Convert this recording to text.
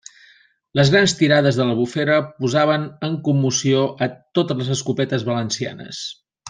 Les grans tirades de l'Albufera posaven en commoció a totes les escopetes valencianes.